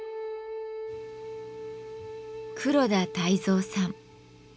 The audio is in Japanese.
黒田泰蔵さん。